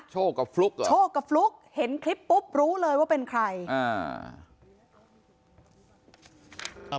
โชคกับฟลุ๊กเห็นคลิปปุ๊บรู้เลยว่าเป็นใครอ่า